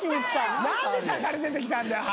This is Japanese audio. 何でしゃしゃり出てきたはっしー。